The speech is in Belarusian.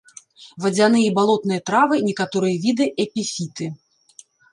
Вадзяныя і балотныя травы, некаторыя віды эпіфіты.